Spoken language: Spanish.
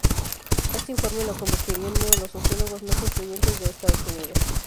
Este informe lo convertiría en uno de los sociólogos más influyentes de Estados Unidos.